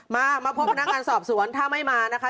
มามาพบพนักงานสอบสวนถ้าไม่มานะคะ